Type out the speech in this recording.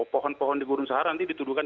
pohon pohon di gurun saran nanti dituduhkan